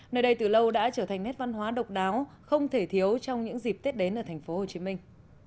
nơi đây từ lâu đã trở thành nét văn hóa độc đáo không thể thiếu trong những dịp tết đến ở thành phố hồ chí minh